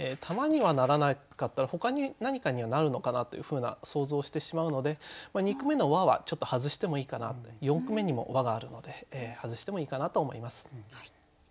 玉にはならなかったらほかに何かにはなるのかなというふうな想像をしてしまうので二句目の「は」はちょっと外してもいいかな四句目にも「は」があるので外してもいいかなと思います。